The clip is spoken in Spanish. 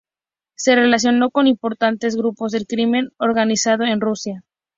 Se relacionó con importantes grupos del crimen organizado en Rusia.